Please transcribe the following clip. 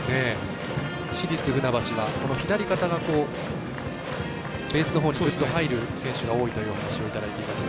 市立船橋は左肩がベースのほうにグッと入る選手が多いというお話をいただいています。